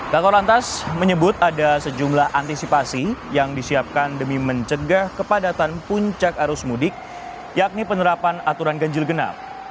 kakor lantas menyebut ada sejumlah antisipasi yang disiapkan demi mencegah kepadatan puncak arus mudik yakni penerapan aturan ganjil genap